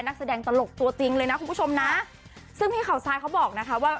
นักแสดงตลกตัวจริงเลยนะคุณผู้ชมนะซึ่งพี่เขาทรายเขาบอกนะคะว่า